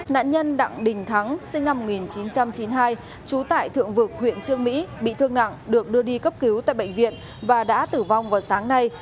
nạn nhân đặng đình thắng sinh năm một nghìn chín trăm chín mươi hai trú tại thượng vực huyện trương mỹ bị thương nặng được đưa đi cấp cứu tại bệnh viện và đã tử vong vào sáng nay